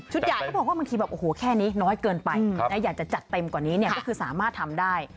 เขาบอกว่าบางทีแบบโอ้โหแค่นี้น้อยเกินไปอยากจะจัดเต็มกว่านี้เนี่ยก็คือสามารถทำได้